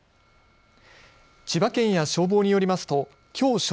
千葉県や消防によりますときょう正